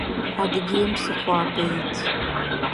Адыгеим псыхъуабэ ит.